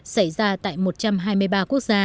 xảy ra tại một trăm hai mươi ba quốc gia